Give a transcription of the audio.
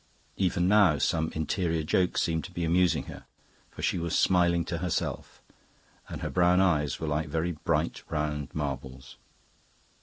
Even now some interior joke seemed to be amusing her, for she was smiling to herself, and her brown eyes were like very bright round marbles.